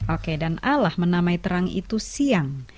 oke dan alah menamai terang itu siang